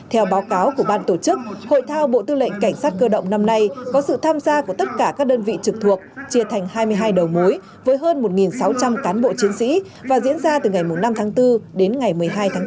theo báo cáo của ban tổ chức hội thao bộ tư lệnh cảnh sát cơ động năm nay có sự tham gia của tất cả các đơn vị trực thuộc chia thành hai mươi hai đầu mối với hơn một sáu trăm linh cán bộ chiến sĩ và diễn ra từ ngày năm tháng bốn đến ngày một mươi hai tháng bốn